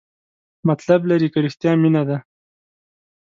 مطلب لري که رښتیا مینه ده؟